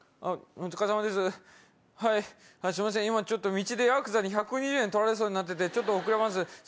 今道でヤクザに１２０円取られそうになっててちょっと遅れます